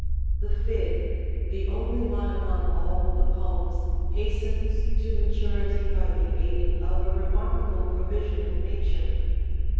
The fig, the only one among all the pomes, hastens to maturity by the aid of a remarkable provision of Nature.